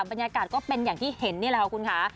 บรรยากาศก็เป็นอย่างที่เห็นนี่แหละค่ะคุณค่ะ